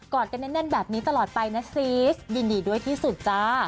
อดกันแน่นแบบนี้ตลอดไปนะซีสยินดีด้วยที่สุดจ้า